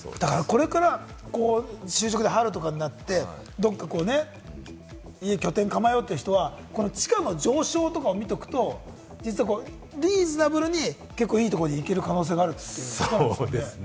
これから就職で春とかになって、家、拠点を構えようという人は、地価の上昇を見ておくと、リーズナブルに結構いいところに行ける可能性があるということですね。